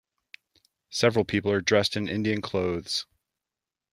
Several people are dressed in Indian clothes.